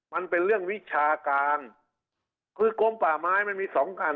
มันเป็นเรื่องวิชาการคือกลมป่าไม้มันมีสองอัน